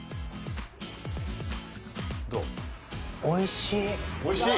おいしい！